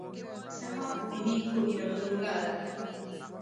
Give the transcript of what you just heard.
سهار د نیکو ارادو لاره ده.